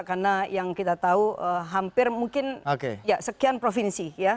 karena yang kita tahu hampir mungkin sekian provinsi ya